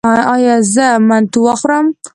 ایا زه منتو وخورم؟